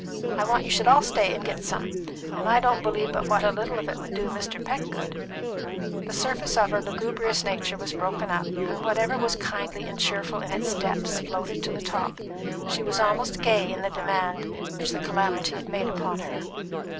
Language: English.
"I want you should all stay and git some, and I don't believe but what a little of it would do Mr. Peck good." The surface of her lugubrious nature was broken up, and whatever was kindly and cheerful in its depths floated to the top; she was almost gay in the demand which the calamity made upon her.